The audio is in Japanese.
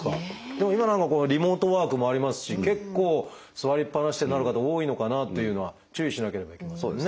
でも今何かこうリモートワークもありますし結構座りっぱなしってなる方多いのかなっていうのは注意しなければいけませんね。